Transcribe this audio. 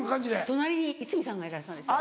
隣に逸見さんがいらしたんですよ。